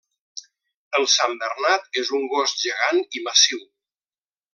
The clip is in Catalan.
El santbernat és un gos gegant i massiu.